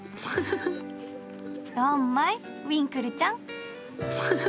どんまい、ウィンクルちゃん。